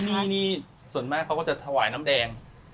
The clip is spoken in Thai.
ที่นี่ส่วนมากเขาก็จะถวายน้ำแดง